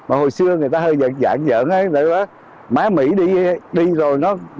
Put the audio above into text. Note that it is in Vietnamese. á quần tôi mặc đầy đầy việt nam